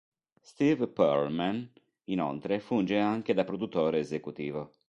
Steve Pearlman, inoltre, funge anche da produttore esecutivo.